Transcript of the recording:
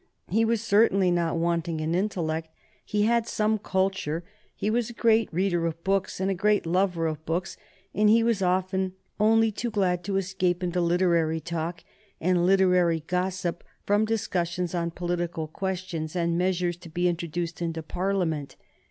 He was certainly not wanting in intellect, he had some culture, he was a great reader of books and a great lover of books, and he was often only too glad to escape into literary talk and literary gossip from discussions on political questions and measures to be introduced into Parliament.